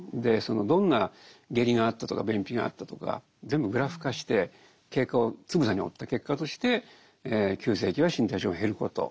どんな下痢があったとか便秘があったとか全部グラフ化して経過をつぶさに追った結果として急性期は身体症状が減ること